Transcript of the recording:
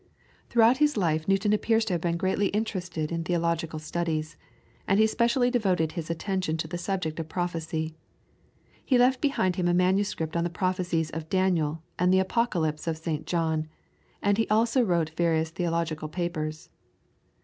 Throughout his life Newton appears to have been greatly interested in theological studies, and he specially devoted his attention to the subject of prophecy. He left behind him a manuscript on the prophecies of Daniel and the Apocalypse of St. John, and he also wrote various theological papers.